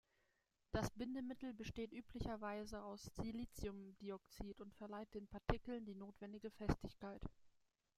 Das Bindemittel besteht üblicherweise aus Siliziumdioxid und verleiht den Partikeln die notwendige Festigkeit.